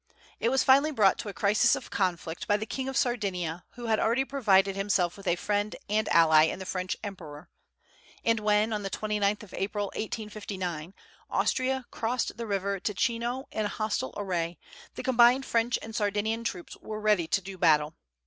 It was finally brought to a crisis of conflict by the King of Sardinia, who had already provided himself with a friend and ally in the French emperor; and when, on the 29th of April, 1859, Austria crossed the river Ticino in hostile array, the combined French and Sardinian troops were ready to do battle.